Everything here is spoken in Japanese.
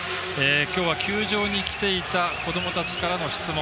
今日は球場に来ていたこどもたちからの質問